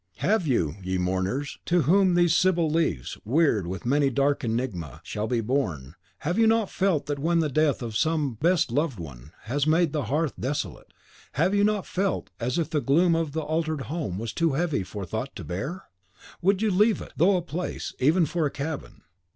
Have you, ye mourners, to whom these sibyl leaves, weird with many a dark enigma, shall be borne, have you not felt that when the death of some best loved one has made the hearth desolate, have you not felt as if the gloom of the altered home was too heavy for thought to bear? you would leave it, though a palace, even for a cabin.